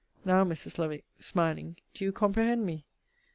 Now, Mrs. Lovick, smiling, do you comprehend me?